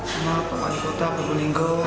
semua pemakai kota probolinggo